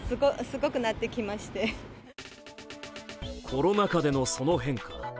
コロナ禍でその変化。